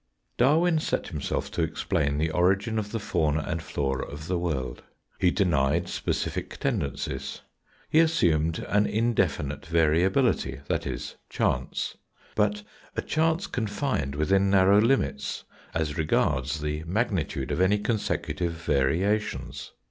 Darwin set himself to explain the origin of the fauna and flora of the world. He denied specific tendencies. He assumed an indefinite variability that is, chance but a chance confined within narrow limits as regards the magnitude of any consecutive variations.